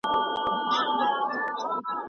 «خولګۍ مې خوره څو یې خوړی شې